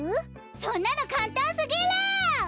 そんなのかんたんすぎる！